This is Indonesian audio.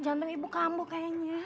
jantung ibu kamu kayaknya